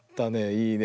いいね。